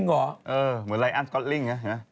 เออเหมือนคุณลายาน์คอลลิ่งไงนะสินะ